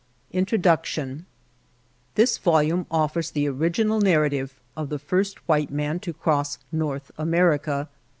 INTRODUCTION THIS volume offers the original nar rative of the first white man to cross North America.